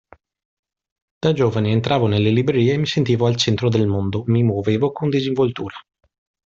Da giovane entravo nelle librerie e mi sentivo al centro del mondo, mi muovevo con disinvoltura.